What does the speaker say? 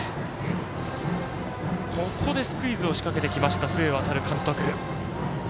ここでスクイズをしかけてきました須江監督。